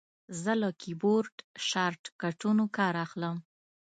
زه له کیبورډ شارټکټونو کار اخلم.